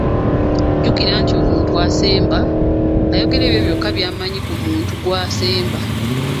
Jjukira nti omuntu asemba, ayogera ebyo byokka by'amanyi ku muntu gw'asemba.